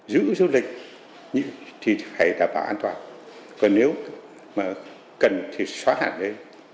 giữ du lịch thì phải đảm bảo an toàn còn nếu mà cần thì xóa hẳn đây